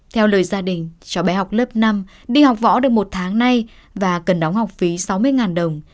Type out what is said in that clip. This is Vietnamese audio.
theo lời gia đình cháu bé học lớp năm đi học võ được một tháng nay và cần đóng học phí sáu mươi đồng